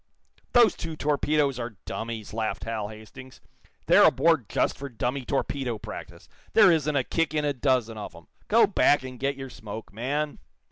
"Those two torpedoes are dummies," laughed Hal Hastings. "They're aboard just for dummy torpedo practice. There isn't a kick in a dozen of 'em. Go back and get your smoke, man!"